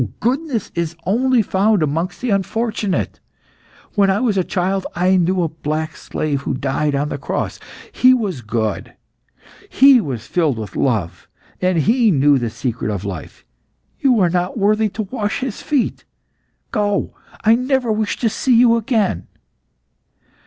Goodness is only found amongst the unfortunate. When I was a child I knew a black slave who died on the cross. He was good; he was filled with love, and he knew the secret of life. You are not worthy to wash his feet. Go! I never wish to see you again!"